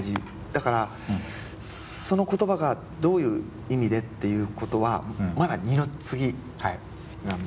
だからその言葉がどういう意味でっていうことはまだ二の次なんですね。